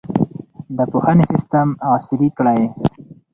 د پوهنې سیستم عصري کړئ.